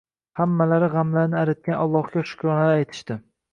Hammalari g`amlarni aritgan Allohga shukronalar aytishdi